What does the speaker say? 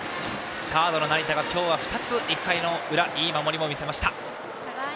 サードの成田が今日は２つ１回の裏、いい守りを見せました。